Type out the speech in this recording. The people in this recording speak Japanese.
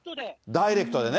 ダイレクトでね。